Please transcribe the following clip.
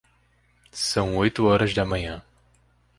São oito horas da manhã.